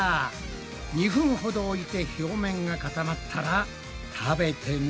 ２分ほど置いて表面が固まったら食べてみるぞ。